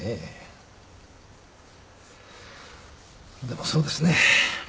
でもそうですね。